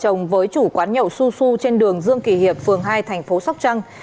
như vợ chồng với chủ quán nhậu xu xu trên đường dương kỳ hiệp phường hai thành phố sóc trăng